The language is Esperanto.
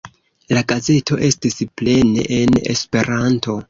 La gazeto estis plene en Esperanto.